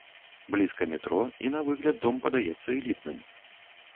Блізка метро, і на выгляд дом падаецца элітным.